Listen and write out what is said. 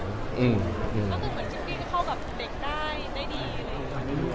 ก็คือเหมือนซิปปี้ก็เข้ากับเด็กได้ดีอะไรอย่างนี้